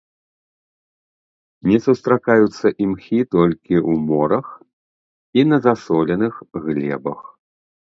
Не сустракаюцца імхі толькі ў морах і на засоленых глебах.